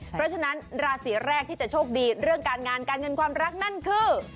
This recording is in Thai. เพราะฉะนั้นราศีแรกที่จะโชคดีเรื่องการงานการเงินความรักนั่นคือ